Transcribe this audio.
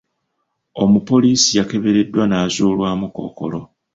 Omupoliisi yakebereddwa n'azuulwamu Kkookolo.